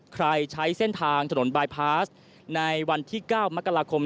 ใช้เส้นทางถนนบายพาสในวันที่๙มกราคม